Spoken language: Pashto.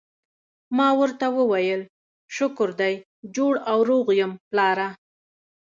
ما ورته وویل: شکر دی جوړ او روغ یم، پلاره.